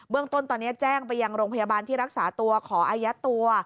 ต้นตอนนี้แจ้งไปยังโรงพยาบาลที่รักษาตัวขออายัดตัว